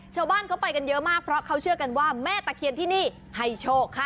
ชาวบ้านเขาไปกันเยอะมากเพราะเขาเชื่อกันว่าแม่ตะเคียนที่นี่ให้โชคค่ะ